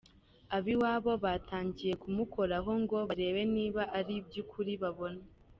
Ab’iwabo batangiye kumukoraho ngo barebe niba ariby’ukuri babona.